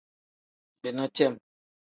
Bina cem.